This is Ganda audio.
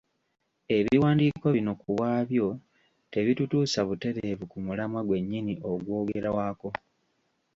Ebiwandiiko bino ku bwabyo tebitutuusa butereevu ku mulamwa gwennyini ogwogerwako.